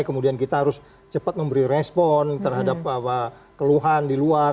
kemudian kita harus cepat memberi respon terhadap keluhan di luar